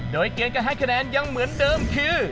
โดยเกมการให้คะแนนยังเหมือนเดิมคือ